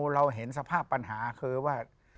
เราเห็นสภาพปัญหาคือว่า